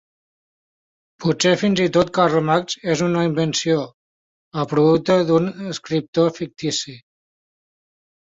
Potser fins i tot Karl Marx és una invenció, el producte d'un escriptor fictici.